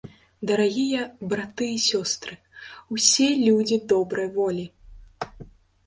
Дарагія браты і сёстры, усе людзі добрай волі!